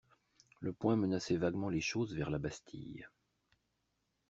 Le poing menaçait vaguement les choses vers la Bastille.